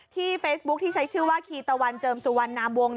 เฟซบุ๊คที่ใช้ชื่อว่าคีตะวันเจิมสุวรรณนามวง